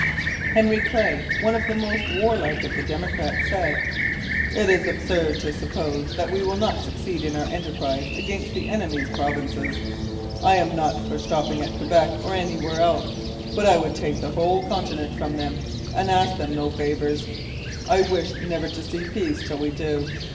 Henry Clay, one of the most warlike of the Democrats, said: 'It is absurd to suppose that we will not succeed in our enterprise against the enemy's Provinces. I am not for stopping at Quebec or anywhere else; but I would take the whole continent from them, and ask them no favours. I wish never to see peace till we do.